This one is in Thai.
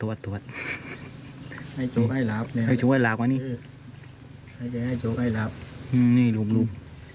นี่ลูกลูก